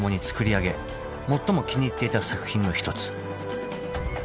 最も気に入っていた作品の一つ］